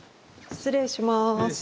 失礼します。